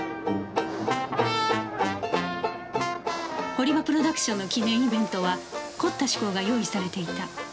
堀場プロダクションの記念イベントは凝った趣向が用意されていた